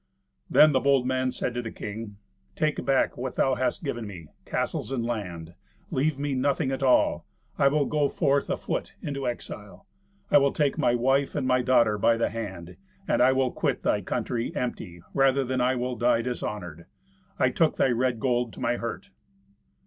Then the bold man said to the king, "Take back what thou hast given me—castles and land. Leave me nothing at all. I will go forth afoot into exile. I will take my wife and my daughter by the hand, and I will quit thy country empty, rather than I will die dishonoured. I took thy red gold to my hurt."